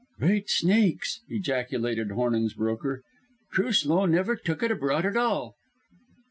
"Great snakes!" ejaculated Hornung's broker. "Truslow never took it abroad at all."